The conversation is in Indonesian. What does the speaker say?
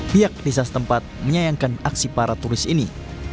pihak desa setempat menyayangkan aksi para turis ini